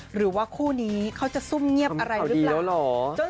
หรือว่าคู่นี้เขาจะซุ่มเงียบอะไรหรือเปล่า